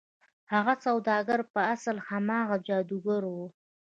هغه سوداګر په اصل کې هماغه جادوګر و.